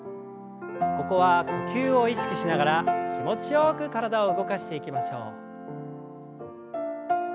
ここは呼吸を意識しながら気持ちよく体を動かしていきましょう。